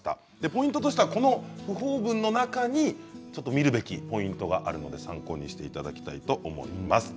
ポイントとしてはこの訃報文の中に見るべきポイントがあるので参考にしていただきたいと思います。